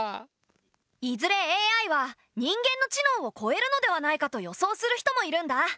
いずれＡＩは人間の知能をこえるのではないかと予想する人もいるんだ。